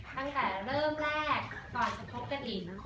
ตั้งแต่เริ่มแรกตอนที่เราคบกันอีก